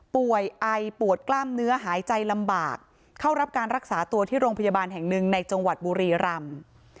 ไอปวดกล้ามเนื้อหายใจลำบากเข้ารับการรักษาตัวที่โรงพยาบาลแห่งหนึ่งในจังหวัดบุรีรำ